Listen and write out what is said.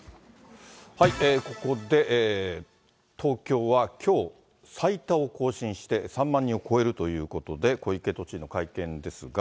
ここで東京はきょう、最多を更新して３万人を超えるということで、小池都知事の会見ですが。